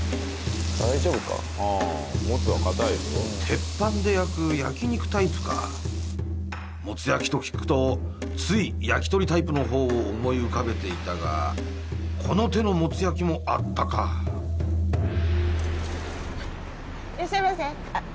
鉄板で焼く焼き肉タイプかもつ焼きと聞くとつい焼き鳥タイプの方を思い浮かべていたがこの手のもつ焼きもあったかいらっしゃいませあっ